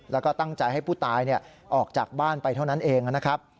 แล้วก็ตั้งใจให้ผู้ตายออกจากบ้านไปเท่านั้นเองนะครับ